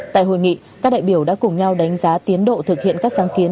tại hội nghị các đại biểu đã cùng nhau đánh giá tiến độ thực hiện các sáng kiến